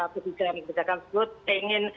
kebijakan kebijakan sebut ingin